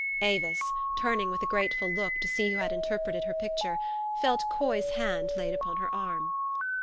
Avis, turning with a grateful look to see who had interpreted her picture, felt Coy's hand laid upon her arm.